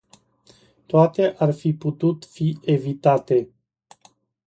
Toate ar fi putut fi evitate.